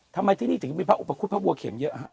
ทำไมที่นี่ถึงมีพระอุปคุฎพระบัวเข็มเยอะฮะ